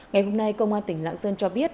ngày hôm nay công an tỉnh lạng sơn cho biết